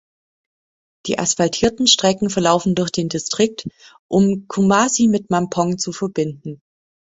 Die asphaltierten Strecken verlaufen durch den Distrikt, um Kumasi mit Mampong zu verbinden.